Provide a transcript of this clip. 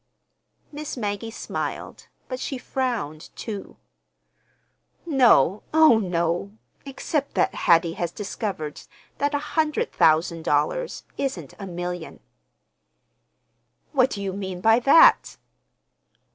Miss Maggie smiled—but she frowned, too. "No, oh, no—except that Hattie has discovered that a hundred thousand dollars isn't a million." "What do you mean by that?"